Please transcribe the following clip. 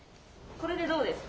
これでどうですか？